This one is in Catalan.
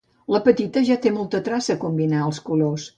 La petita ja té molta traça a combinar els colors.